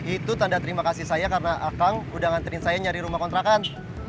itu tanda terima kasih saya karena akang udah nganterin saya nyari rumah kontrakan